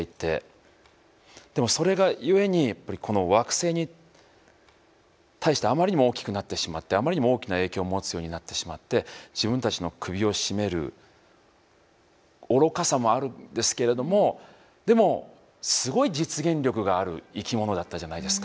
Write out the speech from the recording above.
でもそれがゆえにこの惑星に対してあまりにも大きくなってしまってあまりにも大きな影響を持つようになってしまって自分たちの首を絞める愚かさもあるんですけれどもでもすごい実現力がある生き物だったじゃないですか。